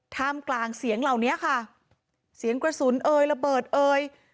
ท่ามกลางเสียงเหล่านี้ค่ะเสียงกระสุนเอยระเบิดเอ่ย